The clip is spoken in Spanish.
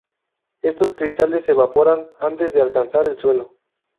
Estos cristales se evaporan antes de alcanzar el suelo.